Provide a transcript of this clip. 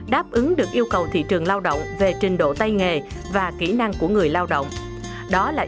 đáp ứng được yêu cầu thị trường lao động về trình độ tay nghề và kỹ năng của người lao động